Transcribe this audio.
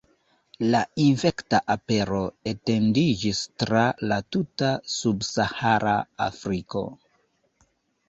La infekta apero etendiĝis tra la tuta Subsahara Afriko.